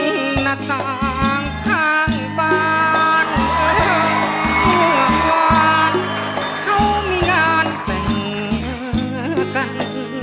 หน้าต่างข้างบ้านหัวหวานเขามีงานเป็นเงินกัน